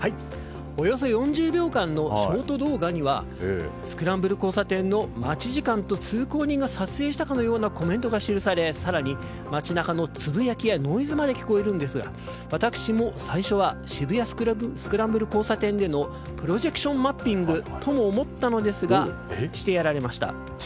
およそ４０秒間のショート動画にはスクランブル交差点の待ち時間と通行人が撮影したかのようなコメントが記され更に、街中のつぶやきのノイズまで聞こえるんですが私も最初は渋谷スクランブル交差点でのプロジェクションマッピングとも思ったのですがしてやられました。